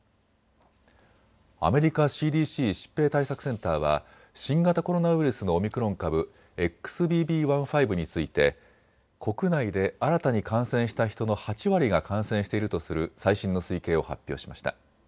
アメリカＣＤＣ・疾病対策センターは新型コロナウイルスのオミクロン株、ＸＢＢ．１．５について国内で新たに感染した人の８割が感染しているとする最新の推計を発表しました。